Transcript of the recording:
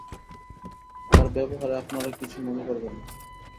তার ব্যবহারে আপনারা কিছু মনে করবেন না।